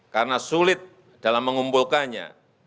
karena sulit dalam mengumpulkannya